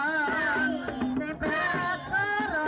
nah ini sudah hilang